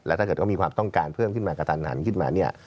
ถ้าเกิดเขามีความต้องการเพิ่มขึ้นมากระตันหันขึ้นมาเนี่ย